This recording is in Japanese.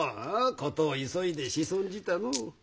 事を急いで仕損じたのう。